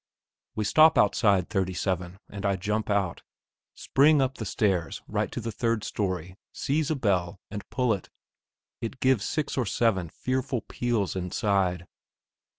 We stop outside 37, and I jump out, spring up the stairs right to the third storey, seize a bell, and pull it. It gives six or seven fearful peals inside.